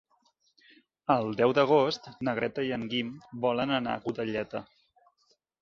El deu d'agost na Greta i en Guim volen anar a Godelleta.